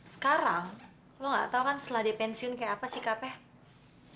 sekarang lo gak tau kan setelah dia pensiun kayak apa sikapnya